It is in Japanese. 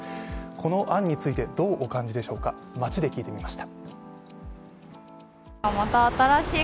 この案について、どうお感じでしょうか、街で聞いてみました。